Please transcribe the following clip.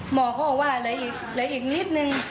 หมอเขาบอกว่าเหลืออีกนิดนึง